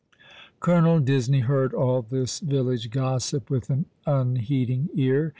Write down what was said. Colonel Disney heard all this village gossip with an un heeding ear.